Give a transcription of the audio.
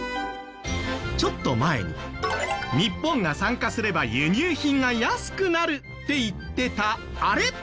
ちょっと前に日本が参加すれば輸入品が安くなるって言ってたあれ